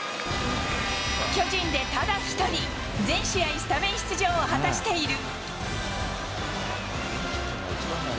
巨人でただ一人、全試合スタメン出場を果たしている。